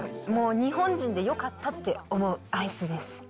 もう日本人でよかったって思うアイスです。